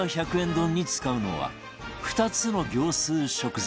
丼に使うのは２つの業スー食材